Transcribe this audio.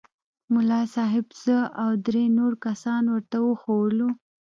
ملا صاحب زه او درې نور کسان ورته وښوولو.